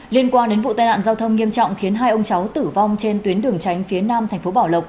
liên quan đến vụ tai nạn giao thông nghiêm trọng khiến hai ông cháu tử vong trên tuyến đường tránh phía nam thành phố bảo lộc